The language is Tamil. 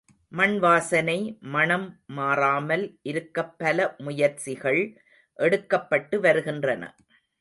மண்வாசனை மணம் மாறாமல் இருக்கப் பல முயற்சிகள் எடுக்கப்பட்டு வருகின்றன.